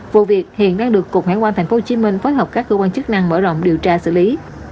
vụ việc hiện đang được cục hải quan tp hcm phối hợp các cơ quan chức năng mở rộng điều tra xử lý